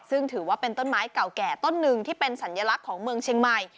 ซึ่งถือว่าเป็นต้นไม้เก่าแก่ต้นหนึ่งที่เป็นสัญลักษณ์ของเมืองเชียงใหม่